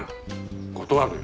断るよ。